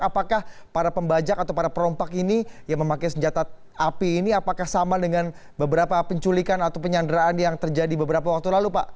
apakah para pembajak atau para perompak ini yang memakai senjata api ini apakah sama dengan beberapa penculikan atau penyanderaan yang terjadi beberapa waktu lalu pak